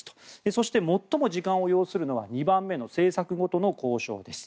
そして、最も時間を要するのは２番目の政策ごとの交渉です。